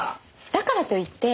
だからと言って。